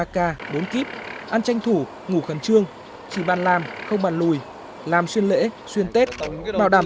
ba k bốn kíp ăn tranh thủ ngủ khẩn trương chỉ bàn làm không bàn lùi làm xuyên lễ xuyên tết bảo đảm